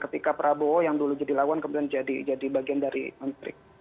ketika prabowo yang dulu jadi lawan kemudian jadi bagian dari menteri